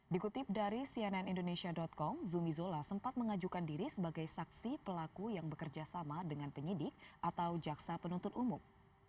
dikutip dari cnn indonesia com zumi zola sempat mengajukan diri sebagai saksi pelaku yang bekerja sama dengan penyidik atau jaksa penuntut umum